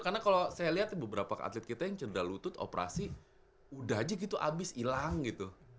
karena kalau saya lihat beberapa atlet kita yang cedera lutut operasi udah aja gitu abis hilang gitu